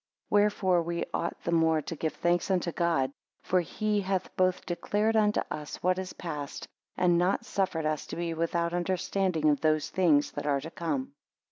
4 Wherefore we ought the more to give thanks unto God, for that he hath both declared unto us what is passed, and not suffered us to be without understanding of those things that are to come.